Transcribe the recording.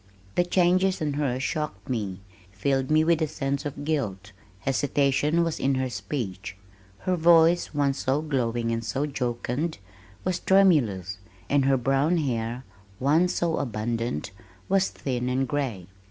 The changes in her shocked me, filled me with a sense of guilt. Hesitation was in her speech. Her voice once so glowing and so jocund, was tremulous, and her brown hair, once so abundant, was thin and gray.